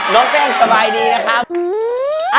แป้งสบายดีนะครับ